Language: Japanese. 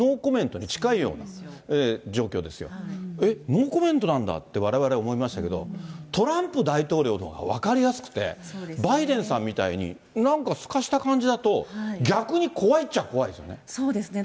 ノーコメントなんだってわれわれ思いましたけど、トランプ大統領のほうが分かりやすくて、バイデンさんみたいに、なんかすかした感じだと、逆に怖いっちゃ怖いですよね。